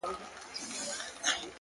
• غمونه هېر سي اتڼونو ته ډولونو راځي,